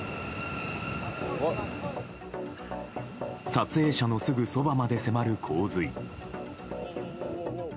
撮影者のすぐそばまで迫る洪水。